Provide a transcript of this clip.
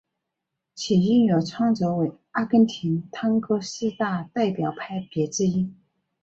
其音乐创作成为阿根廷探戈四大代表派别之一。